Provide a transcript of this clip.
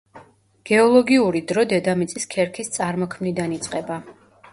გეოლოგიური დრო დედამიწის ქერქის წარმოქმნიდან იწყება.